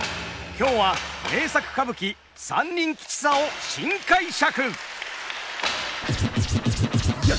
今日は名作歌舞伎「三人吉三」を新解釈！